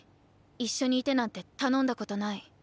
一緒にいてなんて頼んだことない。